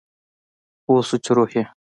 پوه شو چې روح یې